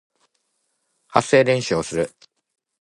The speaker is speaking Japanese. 発声練習をする